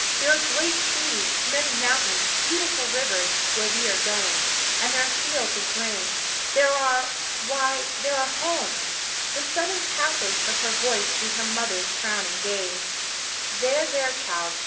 There are great trees, many mountains, beautiful rivers where we are going, and there are fields of grain. There are why, there are homes!" The sudden pathos of her voice drew her mother's frowning gaze. "There, there, child!"